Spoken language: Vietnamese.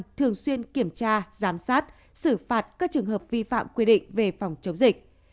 thường xuyên kiểm tra giám sát xử phạt các trường hợp vi phạm quy định về phòng chống dịch